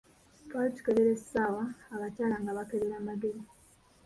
Twali tukebera essaawa, Abakyala nga bakebera magemu.